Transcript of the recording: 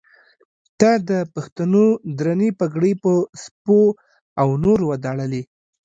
تا د پښتنو درنې پګړۍ په سپو او نورو وداړلې.